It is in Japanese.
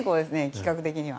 企画的には。